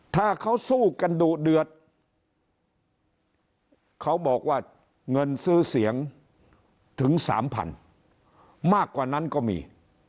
ถ้าเขาสู้กันดุเดือดเขาบอกว่าเงินซื้อเสียงถึง๓๐๐๐มากกว่านั้นก็มี